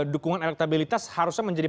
dukungan elektabilitas harusnya menjadi